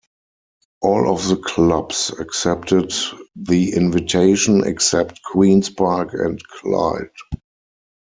All of the clubs accepted the invitation, except Queen's Park and Clyde.